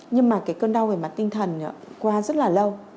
nhưng mà cái cơn đau về mặt tinh thần qua rất là lâu